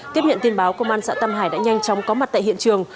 tiếp nhận tin báo công an xã tam hải đã nhanh chóng có mặt tại hiện trường